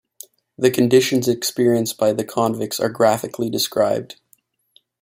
The conditions experienced by the convicts are graphically described.